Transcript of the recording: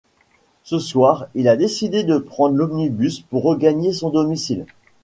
Ce soir, il a décidé de prendre l’omnibus pour regagner son domicile.